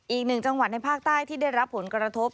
อีกหนึ่งจังหวัดในภาคใต้ที่ได้รับผลกระทบ